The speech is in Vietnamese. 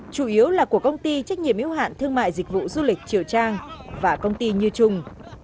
chủ yếu là của công ty trách nhiệm yếu hạn thương mại dịch vụ du lịch triều trang và công ty như trung